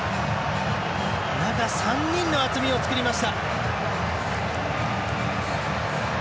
中、３人の厚みを作りました。